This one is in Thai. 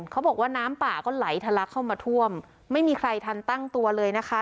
เขาบอกว่าน้ำป่าก็ไหลทะลักเข้ามาท่วมไม่มีใครทันตั้งตัวเลยนะคะ